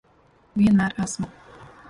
Vienmēr esmu.